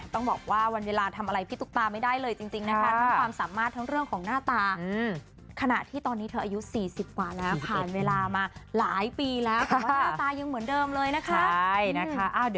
ต้องบอกว่าวันเวลาทำอะไรพี่ตุ๊กตาไม่ได้เลยจริงนะคะทั้งความสามารถทั้งเรื่องของหน้าตาขณะที่ตอนนี้เธออายุ๔๐กว่าแล้วผ่านเวลามาหลายปีแล้วแต่ว่าหน้าตายังเหมือนเดิมเลยนะคะ